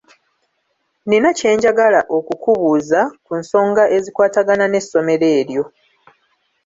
Nnina kye njagala okukubuuza ku nsonga ezikwatagana n'essomero eryo.